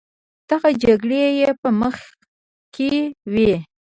دغه جګړې یې په مخه کړې وې.